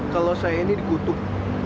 kalau saya ini dikutuk